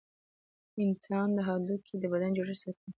د انسان هډوکي د بدن جوړښت ساتي.